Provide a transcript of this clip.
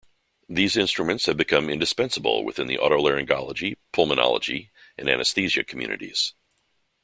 These instruments have become indispensable within the otolaryngology, pulmonology and anesthesia communities.